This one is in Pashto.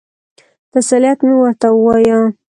تسلیت مې ورته ووایه.